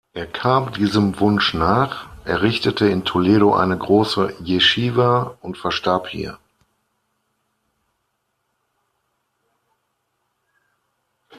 Er kam diesem Wunsch nach, errichtete in Toledo eine große Jeschiwa und verstarb hier.